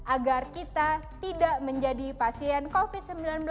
agar kita tidak menjadi pasien covid sembilan belas